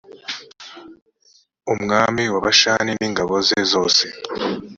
umwami wa bashani n’ingabo ze zose